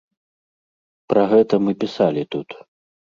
Пра гэта мы пісалі тут.